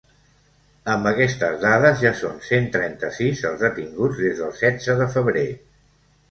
Amb aquestes dades ja són cent trenta-sis els detinguts des del setze de febrer.